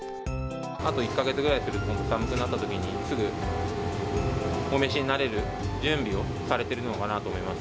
あと１か月ぐらいすると寒くなったときに、すぐお召しになれる準備をされてるのかなと思いま